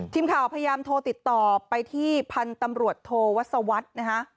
ทีมข่าวพยายามโทรติดต่อไปที่พันธุ์ตำรวจโทวัศวรรษนะฮะ